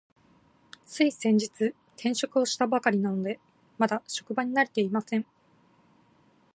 つい先月、転職をしたばかりなので、まだ職場に慣れていません。